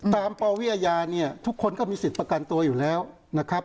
ปวิอาญาเนี่ยทุกคนก็มีสิทธิ์ประกันตัวอยู่แล้วนะครับ